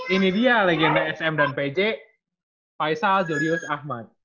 ini dia legenda sm dan pj faisal jurius ahmad